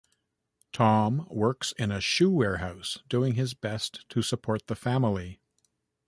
Tom works in a shoe warehouse doing his best to support the family.